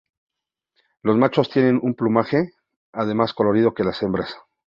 Los machos tienen un plumaje más colorido que las hembras.